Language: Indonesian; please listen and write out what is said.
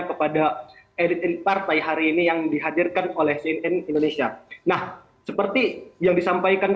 kepada elit elit partai hari ini yang dihadirkan oleh cnn indonesia nah seperti yang disampaikan